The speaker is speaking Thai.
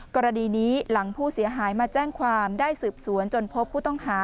กรณีนี้หลังผู้เสียหายมาแจ้งความได้สืบสวนจนพบผู้ต้องหา